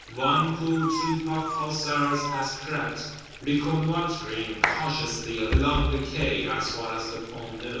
One poor troop of Hussars has crept, reconnoitring, cautiously along the Quais, as far as the Pont Neuf.